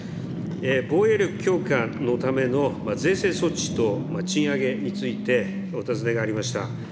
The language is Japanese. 防衛力強化のための税制措置と賃上げについてお尋ねがありました。